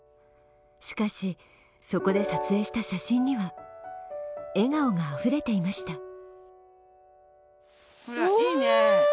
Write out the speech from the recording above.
しかし、そこで撮影した写真には笑顔があふれていました。